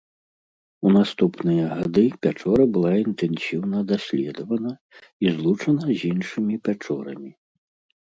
У наступныя гады пячора была інтэнсіўна даследавана і злучана з іншымі пячорамі.